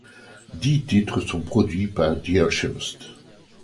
Dix titres sont produits par The Alchemist.